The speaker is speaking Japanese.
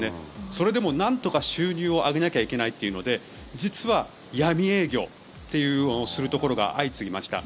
それでもなんとか収入を上げなきゃいけないというので実は、闇営業というのをするところが相次ぎました。